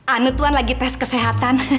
anu tuhan lagi tes kesehatan